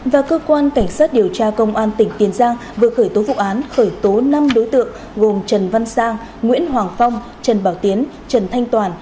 và cơ quan cảnh sát điều tra công an tỉnh tiền giang vừa khởi tố vụ án khởi tố năm đối tượng gồm trần văn sang nguyễn hoàng phong trần bảo tiến trần thanh toàn